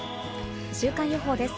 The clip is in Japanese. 週間予報です。